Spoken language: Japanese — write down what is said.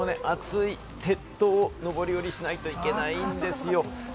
この熱い鉄塔を登り下りしないといけないんですよ。